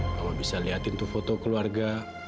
mama bisa lihat itu foto keluarga